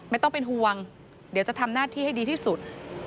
ไม่ต้องเป็นห่วงเดี๋ยวจะทำหน้าที่ให้ดีที่สุด